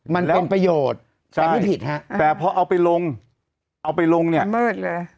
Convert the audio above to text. มันเป็นประโยชน์ใช่แต่พอเอาไปลงเอาไปลงเนี้ยละเมิดเลย